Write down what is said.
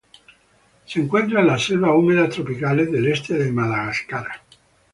Se encuentra en las selvas húmedas tropicales del este de Madagascar